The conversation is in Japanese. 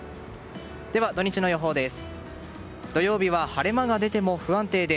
では、土日の予報です。